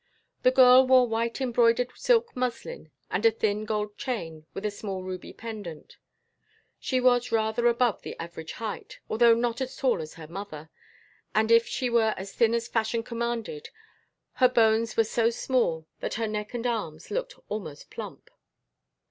The girl wore white embroidered silk muslin and a thin gold chain with a small ruby pendant. She was rather above the average height, although not as tall as her mother, and if she were as thin as fashion commanded, her bones were so small that her neck and arms looked almost plump.